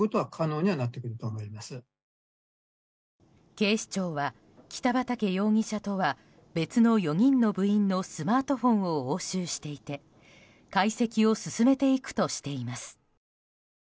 警視庁は、北畠容疑者とは別の４人の部員のスマートフォンを押収していて解析を進めていくとしています。